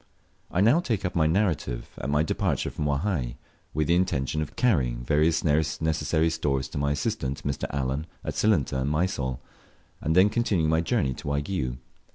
I now take up my narrative at my departure from Wahai, with the intention of carrying various necessary stores to my assistant, Mr. Allen, at Silinta, in Mysol, and then continuing my journey to Waigiou.